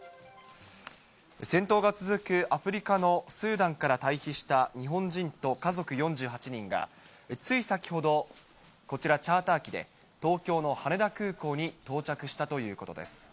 戦闘が続くアフリカのスーダンから退避した日本人と家族４８人が、つい先ほど、こちら、チャーター機で東京の羽田空港に到着したということです。